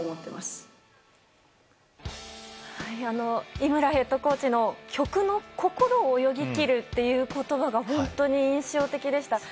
井村ヘッドコーチの曲の心を泳ぎ切るという言葉が本当に印象的でした。